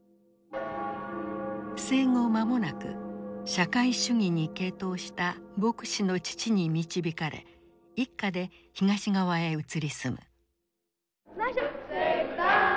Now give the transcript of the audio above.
生後間もなく社会主義に傾倒した牧師の父に導かれ一家で東側へ移り住む。